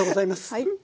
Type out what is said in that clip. はい。